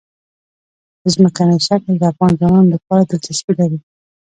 ځمکنی شکل د افغان ځوانانو لپاره دلچسپي لري.